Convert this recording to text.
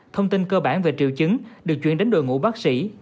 thông tin cơ bản về triệu chứng được chuyển đến đội ngũ bác sĩ